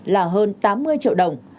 là hơn tám mươi triệu đồng